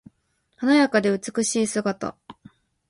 華やかで美しい姿。